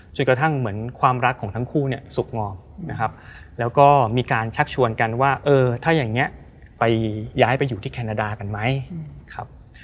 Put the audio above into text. จนกระทั่งเหมือนความรักของทั้งคู่เนี่ยสุขงอมนะครับแล้วก็มีการชักชวนกันว่าเออถ้าอย่างนี้ไปย้ายไปอยู่ที่แคนาดากันไหมครับ